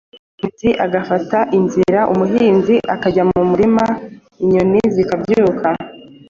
umugenzi agafata inzira, umuhinzi akajya mu murima, inyoni zikabyuka.